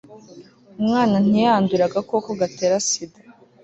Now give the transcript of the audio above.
umwana ntiyandure agakoko gatera sida